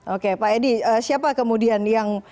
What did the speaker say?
oke pak edi siapa kemudian yang